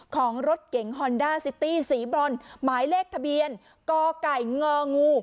ของรถเก๋งฮอนด้าซิตี้สีบรอนหมายเลขทะเบียนกไก่งองู